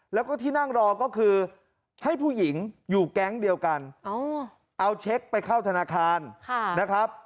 แล้วก็ที่นั่งรอก็คือให้ผู้หญิงอยู่แก๊งเดียวกันเอาเช็คไปเข้าธนาคารนะครับ